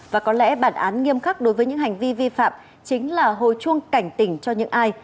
và có lẽ bản án nghiêm khắc đối với những hành vi vi phạm chính là hồi chuông cảnh tỉnh cho những ai